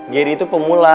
geri itu pemula